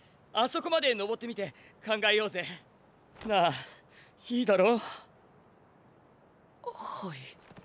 あそこまで登ってみて考えようぜ！なぁいいだろ？